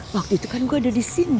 waktu itu kan gue ada disini